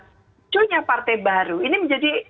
munculnya partai baru ini menjadi